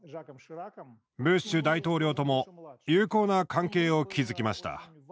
ブッシュ大統領とも友好な関係を築きました。